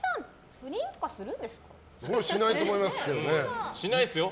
不倫とかするんですか？